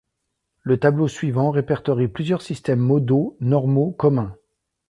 Le tableau suivant répertorie plusieurs systèmes modaux normaux communs.